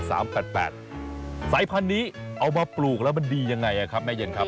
สายพันธุ์นี้เอามาปลูกแล้วมันดียังไงครับแม่เย็นครับ